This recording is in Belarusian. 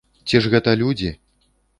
Ці ж гэта людзі?